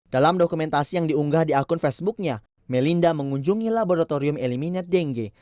dalam dokumentasi yang diunggah di akun facebooknya melinda mengunjungi laboratorium eliminate dengue